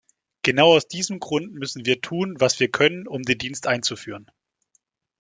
Genau aus diesem Grund müssen wir tun, was wir können, um den Dienst einzuführen.